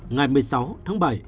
ngày một mươi sáu tháng bảy